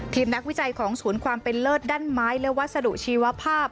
นักวิจัยของศูนย์ความเป็นเลิศด้านไม้และวัสดุชีวภาพ